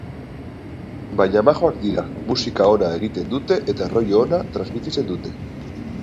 Baina majoak dira, musika ona egiten dute eta rollo ona transmititzen dute.